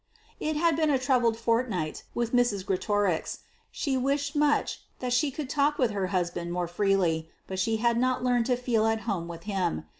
It had been a troubled fortnight with Mrs. Greatorex. She wished much that she could have talked to her husband more freely, but she had not learned to feel at home with him.